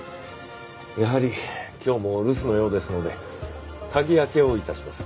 やはり今日も留守のようですので鍵開けを致します。